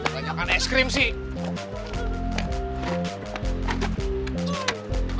banyak kan es krim sih